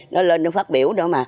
nó lên nó phát biểu nữa mà